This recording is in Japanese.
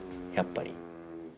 やっぱり。